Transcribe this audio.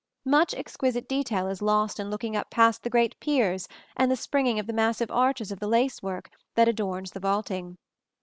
Much exquisite detail is lost in looking up past the great piers and the springing of the massive arches to the lace work that adorns the vaulting.